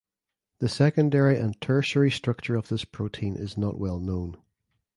The secondary and tertiary structure of this protein is not well known.